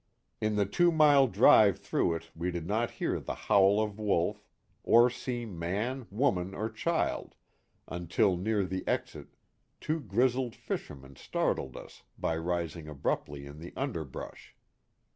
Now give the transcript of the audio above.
In the two mile drive through it we did not hear the howl of wolf, or see man, woman, or child until near the exit two grizzled fishermen startled us by rising abruptly in the underbrush.